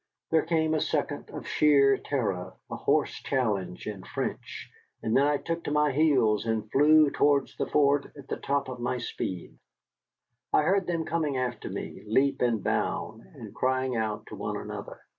There came a second of sheer terror, a hoarse challenge in French, and then I took to my heels and flew towards the fort at the top of my speed. I heard them coming after me, leap and bound, and crying out to one another.